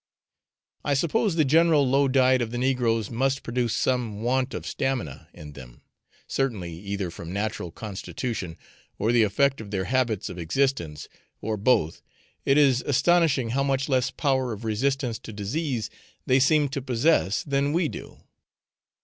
I suppose the general low diet of the negroes must produce some want of stamina in them; certainly, either from natural constitution or the effect of their habits of existence, or both, it is astonishing how much less power of resistance to disease they seem to possess than we do.